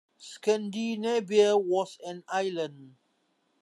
Scandinavia was an island.